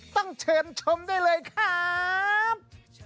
ต้องเชิญชมได้เลยครับ